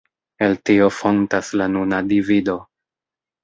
El tio fontas la nuna divido.